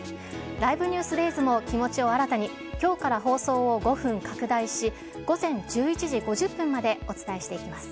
ライブニュースｄａｙｓも気持ちを新たに、きょうから放送を５分拡大し、午前１１時５０分までお伝えしていきます。